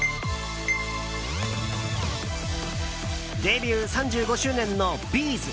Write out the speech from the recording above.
デビュー３５周年のＢ’ｚ。